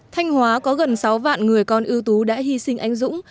thanh hóa có gần sáu vạn người con ưu tú đã hy sinh anh dũng